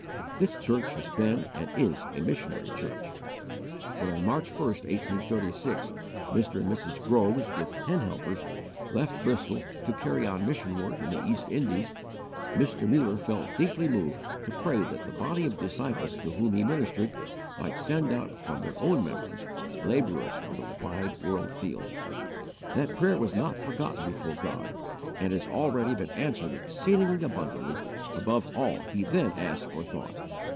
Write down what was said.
This church has been and is a missionary church. When on March 1, 1836, Mr. and Mrs. Groves, with ten helpers, left Bristol to carry on mission work in the East Indies, Mr. Muller felt deeply moved to pray that the body of disciples to whom he ministered might send out from their own members labourers for the wide world field. That prayer was not forgotten before God, and has already been answered exceeding abundantly above all he then asked or thought.